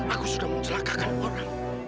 aku sudah mencelakakan orang